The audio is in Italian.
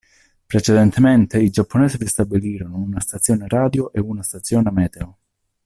Precedentemente i giapponesi vi stabilirono una stazione radio, ed una stazione meteo.